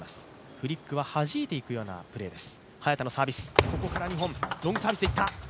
フリックははじいていくようなプレーです。